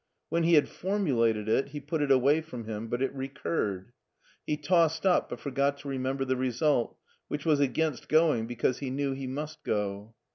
When he had formulated it, he put it away from him, but it recurred, 'tic tossed up, but forgot to remember the result, which was against going, because he knew he must go.